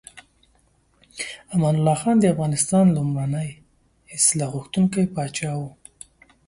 امان الله خان د افغانستان لومړنی اصلاح غوښتونکی پاچا و.